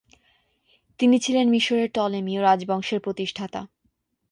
তিনি ছিলেন মিশরের প্টলেমিয় রাজবংশের প্রতিষ্ঠাতা।